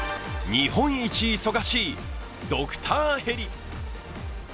日本一忙しいドクターヘリ。